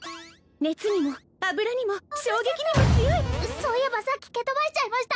熱にも油にも衝撃にも強いそういえばさっき蹴飛ばしちゃいました